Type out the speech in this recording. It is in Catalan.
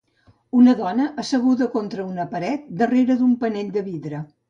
Una dona asseguda contra una paret darrere d'un panell de vidre.